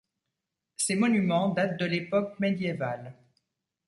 Ces monuments datent de l'époque médiévale.